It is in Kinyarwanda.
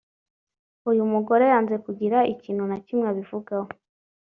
uyu mugore yanze kugira ikintu na kimwe abivugaho